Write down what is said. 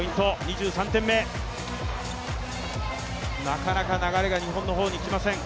なかなか流れが日本の方に来ません。